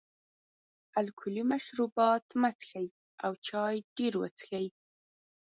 الکولي مشروبات مه څښئ او چای ډېر وڅښئ.